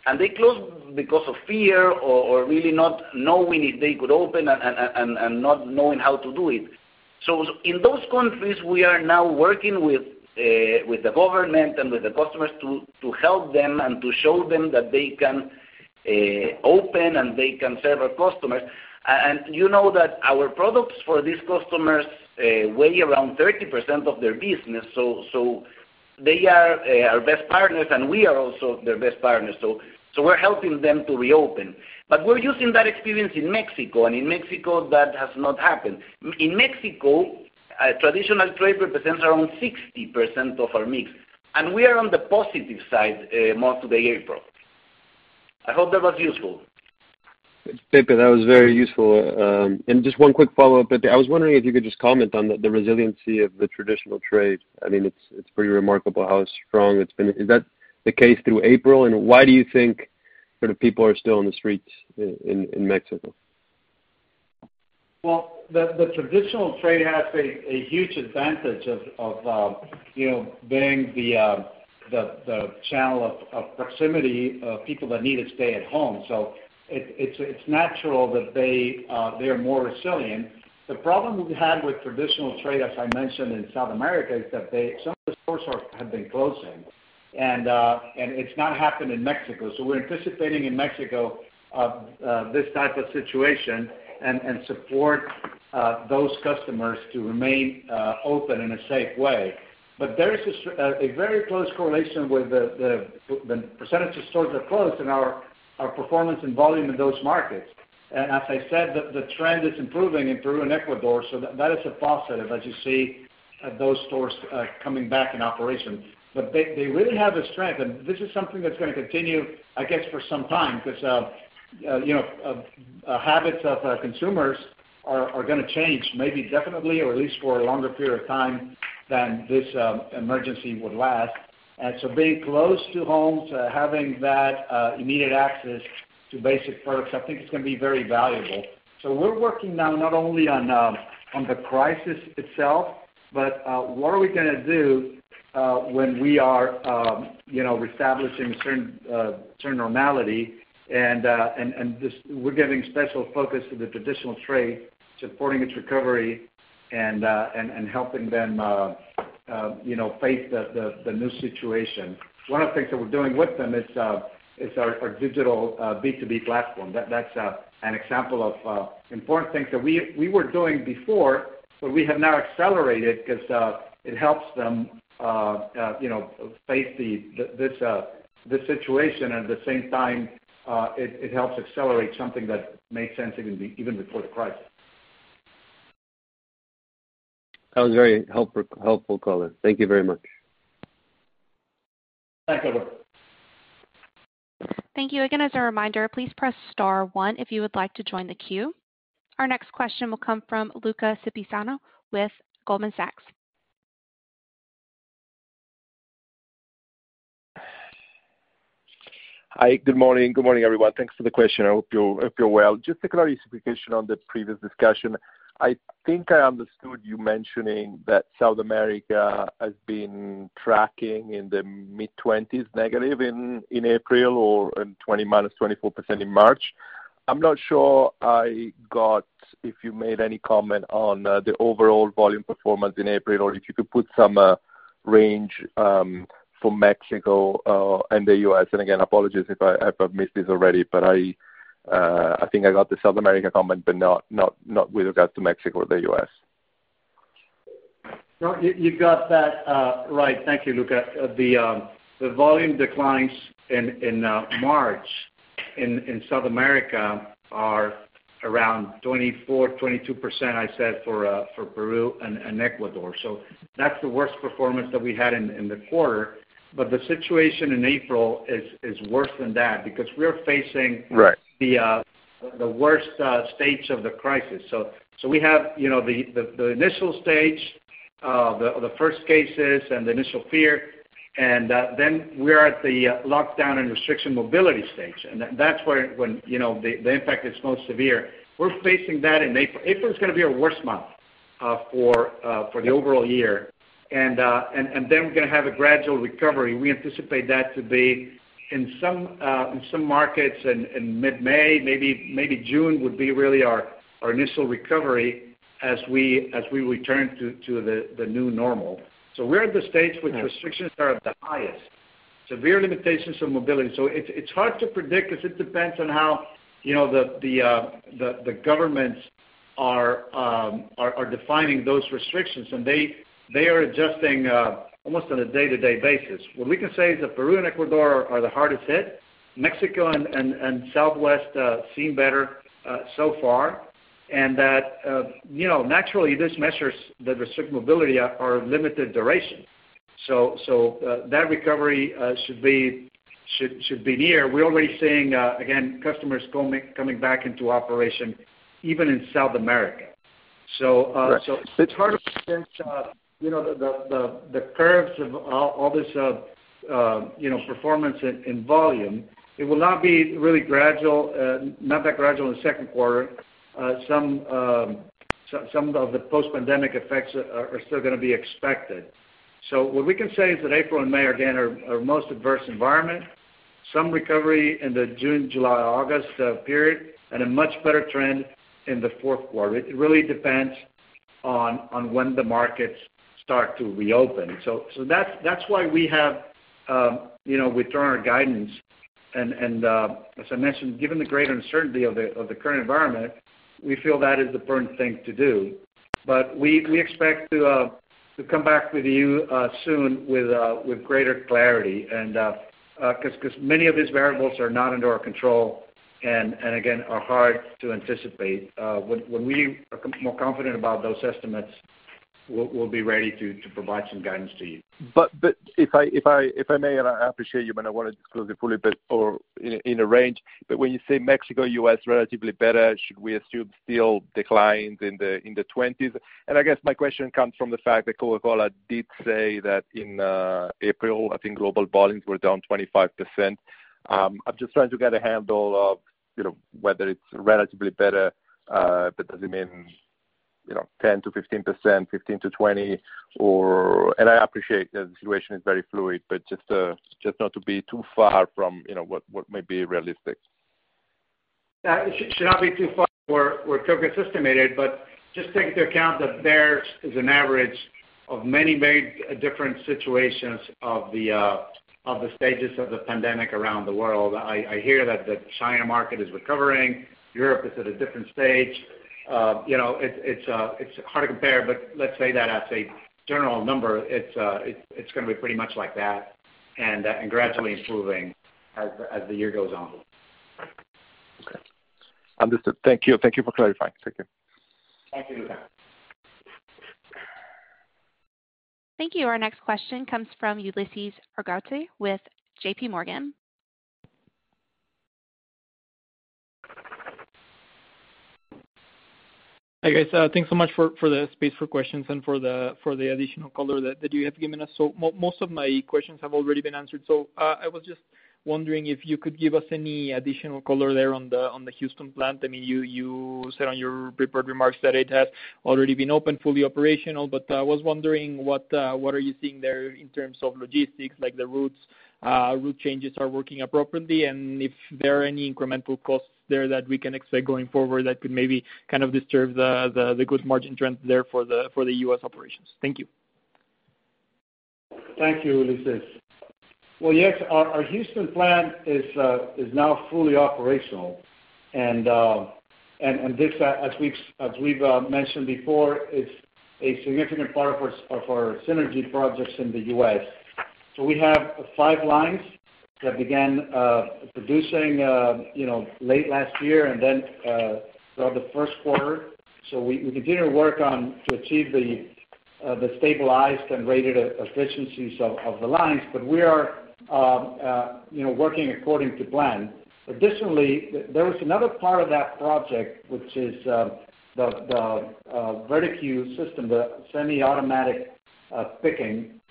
and they closed because of fear or really not knowing if they could open and not knowing how to do it. In those countries, we are now working with the government and with the customers to help them and to show them that they can open, and they can serve our customers. You know that our products for these customers weigh around 30% of their business, so they are our best partners, and we are also their best partners. We're helping them to reopen. We're using that experience in Mexico. In Mexico, that has not happened. In Mexico, traditional trade represents around 60% of our mix, and we are on the positive side month-to-date April. I hope that was useful. Pepe, that was very useful. Just one quick follow-up. I was wondering if you could just comment on the resiliency of the traditional trade. It's pretty remarkable how strong it's been. Is that the case through April, and why do you think people are still on the streets in Mexico? Well, the traditional trade has a huge advantage of being the channel of proximity of people that need to stay at home. It's natural that they are more resilient. The problem we've had with traditional trade, as I mentioned in South America, is that some of the stores have been closing, and it's not happened in Mexico. We're anticipating in Mexico this type of situation and support those customers to remain open in a safe way. There is a very close correlation with the percentage of stores that closed and our performance and volume in those markets. As I said, the trend is improving in Peru and Ecuador, that is a positive as you see those stores coming back in operation. They really have the strength, and this is something that's going to continue, I guess, for some time because habits of consumers are going to change, maybe definitely or at least for a longer period of time than this emergency would last. Being close to home, to having that immediate access to basic products, I think it's going to be very valuable. We're working now not only on the crisis itself, but what are we going to do when we are reestablishing certain normality, and we're giving special focus to the traditional trade, supporting its recovery and helping them face the new situation. One of the things that we're doing with them is our digital B2B platform. That's an example of important things that we were doing before, but we have now accelerated because it helps them face this situation. At the same time, it helps accelerate something that made sense even before the crisis. That was very helpful color. Thank you very much. Thank you. Thank you. Again, as a reminder, please press star one if you would like to join the queue. Our next question will come from Luca Cipriano with Goldman Sachs. Hi, good morning. Good morning, everyone. Thanks for the question. I hope you're well. Just a clarification on the previous discussion. I think I understood you mentioning that South America has been tracking in the mid-20s% negative in April or in 20%, -24% in March. I'm not sure I got if you made any comment on the overall volume performance in April, or if you could put some range for Mexico and the U.S. Again, apologies if I've missed this already, but I think I got the South America comment, but not with regard to Mexico or the U.S. No, you got that right. Thank you, Luca. The volume declines in March in South America are around 24%, 22%, I said for Peru and Ecuador. That's the worst performance that we had in the quarter. The situation in April is worse than that. Right We're facing the worst stage of the crisis. We have the initial stage, the first cases, and the initial fear, we are at the lockdown and restriction mobility stage. That's when the impact is most severe. We're facing that in April. April is going to be our worst month for the overall year. We're going to have a gradual recovery. We anticipate that to be in some markets in mid-May, maybe June would be really our initial recovery as we return to the new normal. We're at the stage which restrictions are at the highest. Severe limitations of mobility. It's hard to predict because it depends on how the governments are defining those restrictions. They are adjusting almost on a day-to-day basis. What we can say is that Peru and Ecuador are the hardest hit. Mexico and Southwest seem better so far. That naturally, these measures, the restricted mobility are of limited duration. That recovery should be near. We're already seeing, again, customers coming back into operation even in South America. Right It's hard to sense the curves of all this performance in volume. Will not be really gradual, not that gradual in the second quarter. Some of the post-pandemic effects are still going to be expected. What we can say is that April and May, again, are our most adverse environment. Some recovery in the June, July, August period and a much better trend in the fourth quarter. It really depends on when the markets start to reopen. That's why we have withdrawn our guidance. As I mentioned, given the greater uncertainty of the current environment, we feel that is the prudent thing to do. We expect to come back with you soon with greater clarity. Because many of these variables are not under our control, and again, are hard to anticipate. When we are more confident about those estimates, we'll be ready to provide some guidance to you. If I may, and I appreciate you might not want to disclose it fully, or in a range. When you say Mexico, U.S., relatively better, should we assume still declines in the 20s%? I guess my question comes from the fact that Coca-Cola did say that in April, I think global volumes were down 25%. I'm just trying to get a handle of whether it's relatively better. Does it mean 10%-15%, 15%-20%? I appreciate that the situation is very fluid, just not to be too far from what may be realistic. It should not be too far from where Coca-Cola's estimated, but just take into account that theirs is an average of many different situations of the stages of the pandemic around the world. I hear that the China market is recovering. Europe is at a different stage. It's hard to compare, but let's say that as a general number, it's going to be pretty much like that and gradually improving as the year goes on. Okay. Understood. Thank you. Thank you for clarifying. Thank you. Thank you, Luca. Thank you. Our next question comes from Ulises Argote with JPMorgan. Hi, guys. Thanks so much for the space for questions and for the additional color that you have given us. Most of my questions have already been answered. I was just wondering if you could give us any additional color there on the Houston plant. You said on your prepared remarks that it has already been open, fully operational, but I was wondering what are you seeing there in terms of logistics, like the route changes are working appropriately? If there are any incremental costs there that we can expect going forward that could maybe kind of disturb the good margin trends there for the U.S. operations. Thank you. Thank you, Ulises. Yes, our Houston plant is now fully operational. This, as we've mentioned before, is a significant part of our synergy projects in the U.S. We have five lines that began producing late last year and then throughout the first quarter. We continue to work on to achieve the stabilized and rated efficiencies of the lines. We are working according to plan. Additionally, there was another part of that project, which is the Vertique System, the semi-automatic picking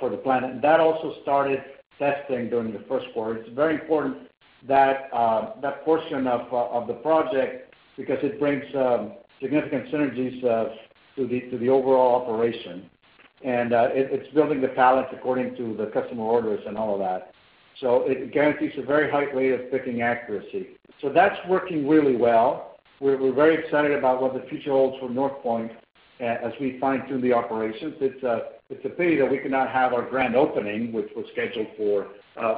for the plant. That also started testing during the first quarter. It's very important, that portion of the project, because it brings significant synergies to the overall operation. It's building the pallets according to the customer orders and all of that. It guarantees a very high rate of picking accuracy. That's working really well. We're very excited about what the future holds for Northpoint as we fine-tune the operations. It's a pity that we could not have our grand opening, which was scheduled for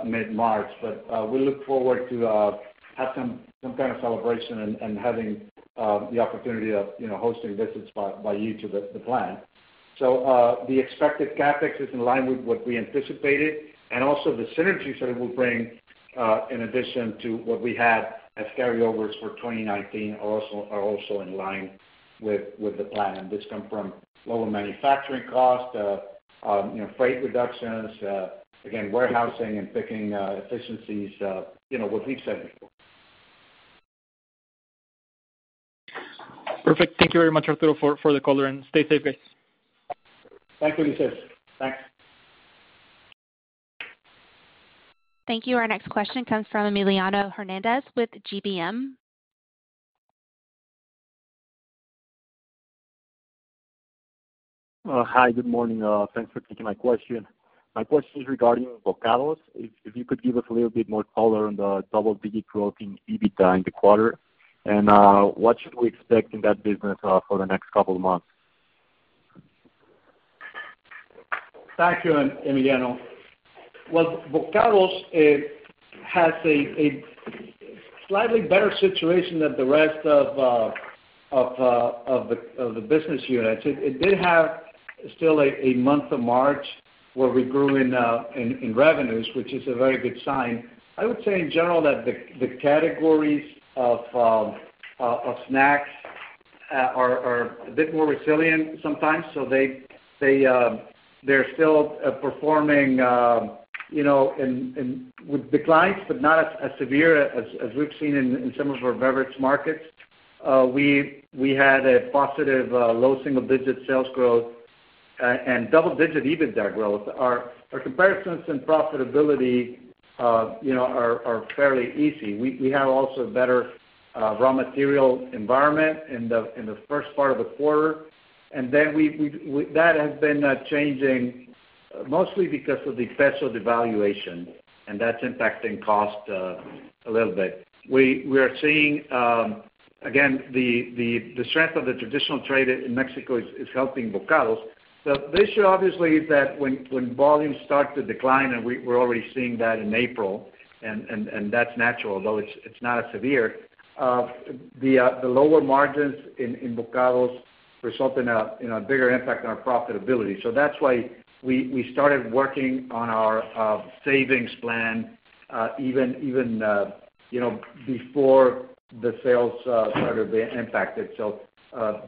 mid-March, but we look forward to have some kind of celebration and having the opportunity of hosting visits by you to the plant. The expected CapEx is in line with what we anticipated and also the synergies that it will bring, in addition to what we had as carryovers for 2019 are also in line with the plan. This come from lower manufacturing cost, freight reductions, again, warehousing and picking efficiencies, what we've said before. Perfect. Thank you very much, Arturo, for the color and stay safe, guys. Thank you, Ulises. Thanks. Thank you. Our next question comes from Emiliano Hernández with GBM. Hi, good morning. Thanks for taking my question. My question is regarding Bokados. If you could give us a little bit more color on the double-digit growth in EBITDA in the quarter. What should we expect in that business for the next couple of months? Thank you, Emiliano. Well, Bokados has a slightly better situation than the rest of the business units. It did have still a month of March where we grew in revenues, which is a very good sign. I would say, in general, that the categories of snacks are a bit more resilient sometimes. They're still performing with declines, but not as severe as we've seen in some of our beverages markets. We had a positive low single-digit sales growth and double-digit EBITDA growth. Our comparisons in profitability are fairly easy. We have also a better raw material environment in the first part of the quarter, that has been changing mostly because of the peso devaluation, and that's impacting cost a little bit. We are seeing, again, the strength of the traditional trade in Mexico is helping Bokados. The issue, obviously, is that when volumes start to decline, and we're already seeing that in April, and that's natural, although it's not as severe, the lower margins in Bokados result in a bigger impact on our profitability. That's why we started working on our savings plan even before the sales started being impacted.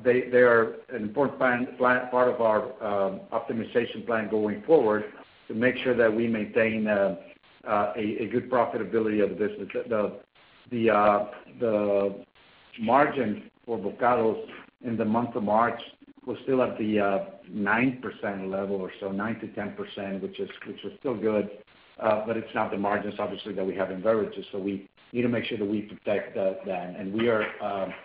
They are an important part of our optimization plan going forward to make sure that we maintain a good profitability of the business. The margin for Bokados in the month of March was still at the 9% level or so, 9%-10%, which is still good, but it's not the margins, obviously, that we have in beverages. We need to make sure that we protect that.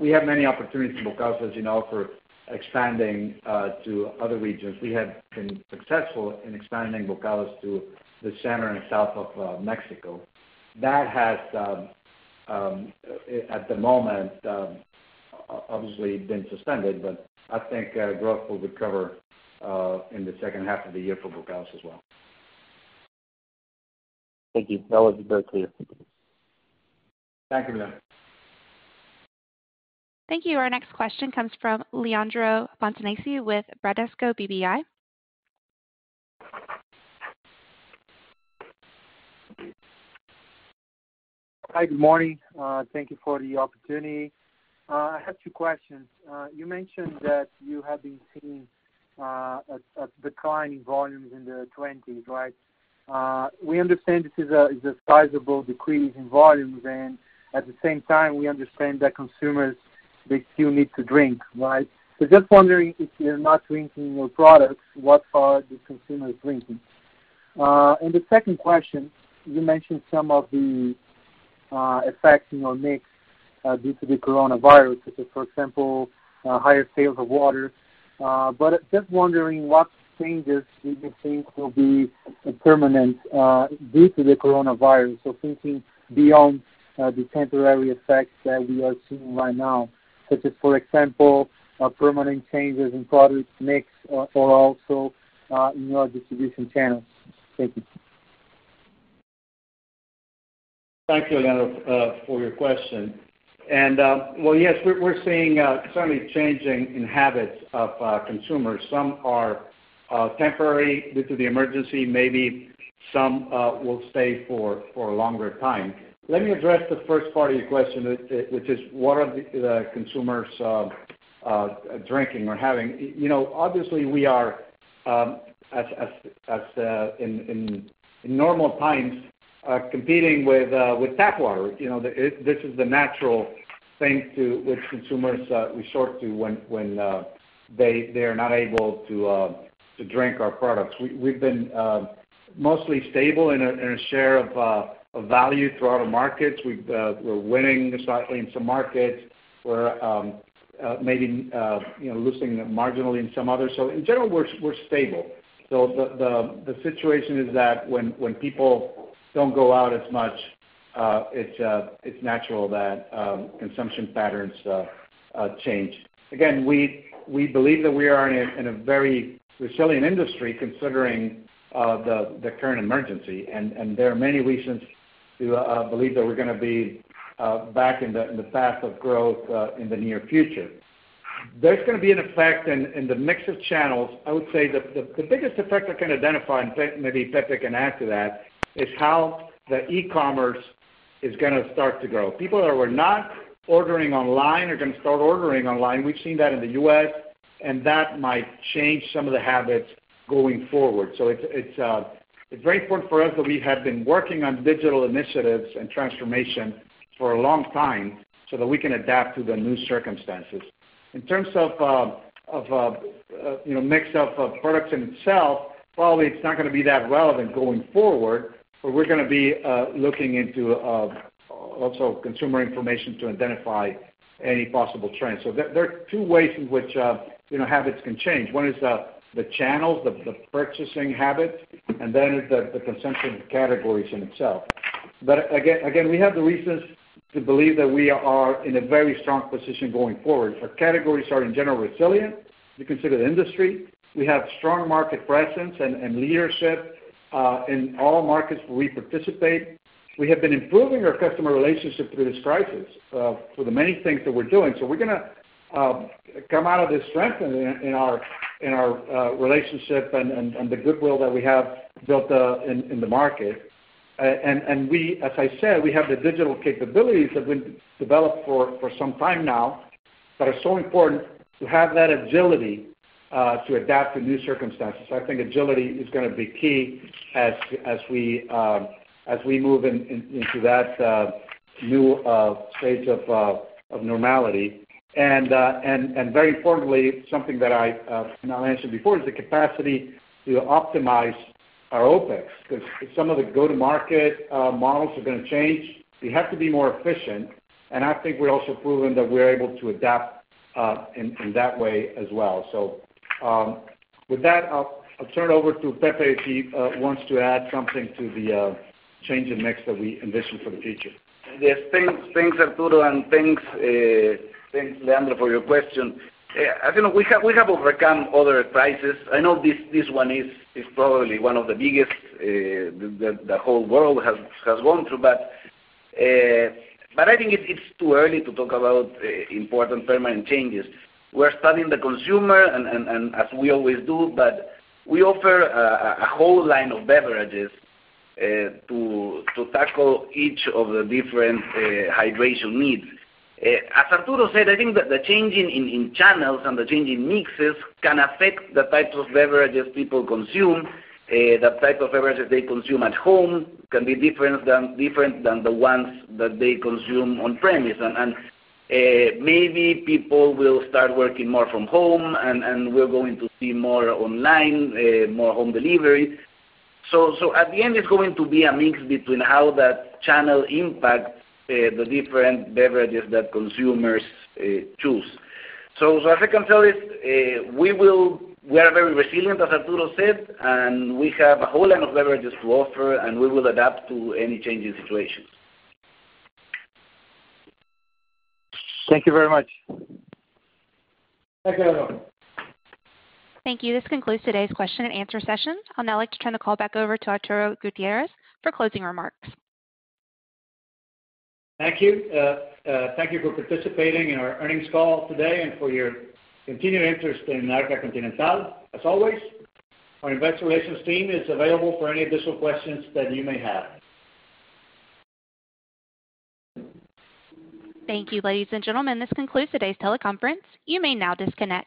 We have many opportunities in Bokados, as you know, for expanding to other regions. We have been successful in expanding Bokados to the center and south of Mexico. That has, at the moment, obviously been suspended, but I think growth will recover in the second half of the year for Bokados as well. Thank you. That was very clear. Thank you, Emiliano. Thank you. Our next question comes from Leandro Fontanesi with Bradesco BBI. Hi. Good morning. Thank you for the opportunity. I have two questions. You mentioned that you have been seeing a decline in volumes in the 20s%, right? We understand this is a sizable decrease in volumes, and at the same time, we understand that consumers, they still need to drink, right? Just wondering if they're not drinking your products, what are the consumers drinking? The second question, you mentioned some of the effects in your mix due to the Coronavirus, such as, for example, higher sales of water. Just wondering what changes you think will be permanent due to the Coronavirus. Thinking beyond the temporary effects that we are seeing right now, such as, for example, permanent changes in product mix or also in your distribution channels. Thank you. Thank you, Leandro, for your question. Well, yes, we're seeing certainly changing in habits of consumers. Some are temporary due to the emergency, maybe some will stay for a longer time. Let me address the first part of your question, which is what are the consumers drinking or having? Obviously, we are, as in normal times, competing with tap water. This is the natural thing to which consumers resort to when they are not able to drink our products. We've been mostly stable in our share of value throughout our markets. We're winning slightly in some markets. We're maybe losing marginally in some others. In general, we're stable. The situation is that when people don't go out as much, it's natural that consumption patterns change. Again, we believe that we are in a very resilient industry, considering the current emergency, and there are many reasons to believe that we're going to be back in the path of growth in the near future. There's going to be an effect in the mix of channels. I would say the biggest effect I can identify, and maybe Pepe can add to that, is how the e-commerce is going to start to grow. People that were not ordering online are going to start ordering online. We've seen that in the U.S., and that might change some of the habits going forward. It's very important for us that we have been working on digital initiatives and transformation for a long time so that we can adapt to the new circumstances. In terms of mix of products in itself, probably it's not going to be that relevant going forward, but we're going to be looking into also consumer information to identify any possible trends. There are two ways in which habits can change. One is the channels, the purchasing habit, and then the consumption categories in itself. Again, we have the reasons to believe that we are in a very strong position going forward. Our categories are, in general, resilient if you consider the industry. We have strong market presence and leadership in all markets where we participate. We have been improving our customer relationship through this crisis for the many things that we're doing. We're going to come out of this strengthened in our relationship and the goodwill that we have built in the market. As I said, we have the digital capabilities that we've developed for some time now that are so important to have that agility to adapt to new circumstances. I think agility is going to be key as we move into that new stage of normality. Very importantly, something that I mentioned before, is the capacity to optimize our OpEx, because some of the go-to market models are going to change. We have to be more efficient, and I think we're also proving that we're able to adapt in that way as well. With that, I'll turn it over to Pepe if he wants to add something to the changing mix that we envision for the future. Yes. Thanks, Arturo, and thanks, Leandro, for your question. As you know, we have overcome other crises. I know this one is probably one of the biggest the whole world has gone through. I think it's too early to talk about important permanent changes. We're studying the consumer as we always do, but we offer a whole line of beverages to tackle each of the different hydration needs. As Arturo said, I think that the changing in channels and the changing mixes can affect the types of beverages people consume. The type of beverages they consume at home can be different than the ones that they consume on premise. Maybe people will start working more from home, and we're going to see more online, more home delivery. At the end, it's going to be a mix between how that channel impacts the different beverages that consumers choose. As I can tell it, we are very resilient, as Arturo said, and we have a whole line of beverages to offer, and we will adapt to any changing situations. Thank you very much. Thank you. Thank you. This concludes today's question and answer session. I'd now like to turn the call back over to Arturo Gutierrez for closing remarks. Thank you. Thank you for participating in our earnings call today and for your continued interest in Arca Continental. As always, our Investor Relations team is available for any additional questions that you may have. Thank you, ladies and gentlemen. This concludes today's teleconference. You may now disconnect.